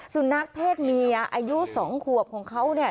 สุนัขเพศเมียอายุ๒ขวบของเขาเนี่ย